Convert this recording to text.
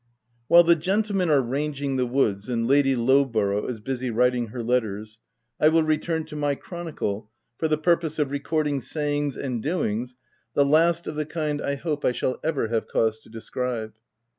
— While the gentlemen are ranging the woods and Lady Lowborough is busy writing her letters, I will return to my chronicle for the purpose of recording sayings and doings, the last of the kind I hope I shall ever have cause to describe.